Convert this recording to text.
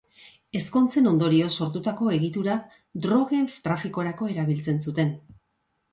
Ezkontzen ondorioz sortutako egitura drogen trafikorako erabiltzen zuten.